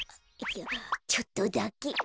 ちょっとだけ。